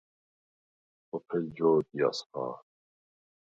სოფელ ჯო̄დიას ხა̄რ.